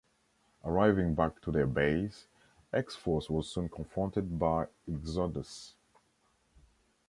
Arriving back to their base, X-Force was soon confronted by Exodus.